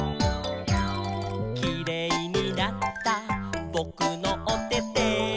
「キレイになったぼくのおてて」